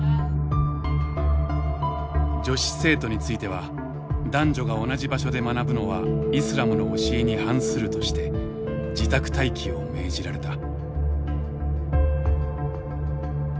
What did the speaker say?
女子生徒については「男女が同じ場所で学ぶのはイスラムの教えに反する」として自宅待機を命じられた。